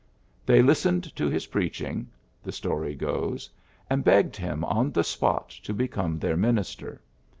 They listened to his preachingj the story goes, and begged him on the spot to become their minister.